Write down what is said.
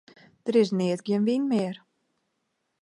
Der is neat gjin wyn mear.